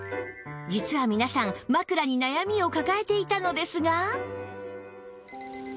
実は皆さん枕に悩みを抱えていたのですが